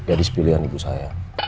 tapi kalau aku rusak